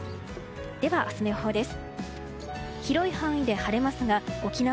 では明日の予報です。